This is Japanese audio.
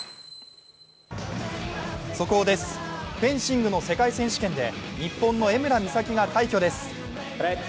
速報です、フェンシングの世界選手権で日本の江村美咲が快挙です。